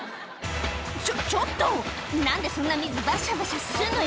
「ちょちょっと何でそんな水ばしゃばしゃすんのよ」